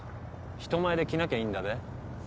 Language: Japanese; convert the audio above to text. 人前で着なきゃいいんだべ。